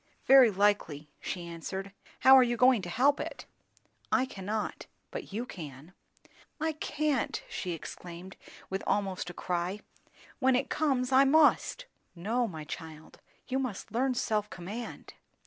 "Very likely," she answered. "How are you going to help it?" "I cannot; but you can." "I can't!" she exclaimed, with almost a cry. "When it comes, I must." "No, my child; you must learn self command."